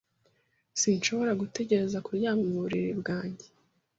Sinshobora gutegereza kuryama mu buriri bwanjye.